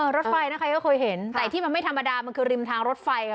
รถไฟนะใครก็เคยเห็นแต่ที่มันไม่ธรรมดามันคือริมทางรถไฟค่ะ